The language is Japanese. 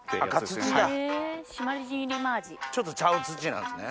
ちょっとちゃう土なんですね？